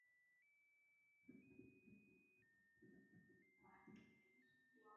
利用广义相对论几何方式的基础即在此原理之上。